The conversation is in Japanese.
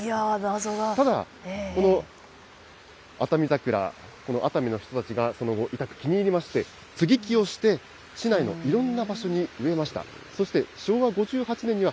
ただ、謎はあたみ桜、熱海の人たちがその後、いたく気に入りまして、接ぎ木をして市内のいろんな場所に植えました。